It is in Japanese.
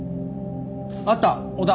あった小田。